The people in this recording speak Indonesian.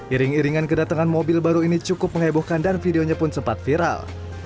iring iringan kedatangan mobil baru ini cukup mengebohkan dan videonya pun sempat viral